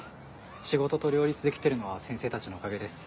仕事と両立できてるのは先生たちのおかげです。